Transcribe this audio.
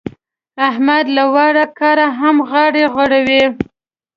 احمد له واړه کاره هم غاړه غړوي.